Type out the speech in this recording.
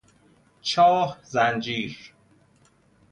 چاه زنجیر